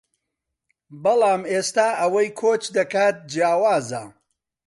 بەڵام ئێستا ئەوەی کۆچ دەکات جیاوازە